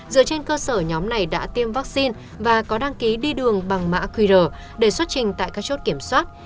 dựa trên cơ sở nhóm này đã tiêm vaccine và có đăng ký đi đường bằng mã qr để xuất trình tại các chốt kiểm soát